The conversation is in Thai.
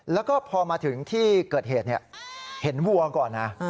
แล้วก็พอมาถึงที่เกิดเหตุเห็นวัวก่อนนะ